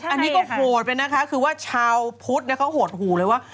อันนี้ก็โหดไปนะคะคือว่าชาวพุทธเขาโหดหูเลยว่า